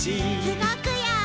うごくよ！